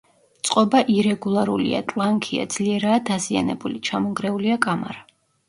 წყობა ირეგულარულია, ტლანქია ძლიერაა დაზიანებული: ჩამონგრეულია კამარა.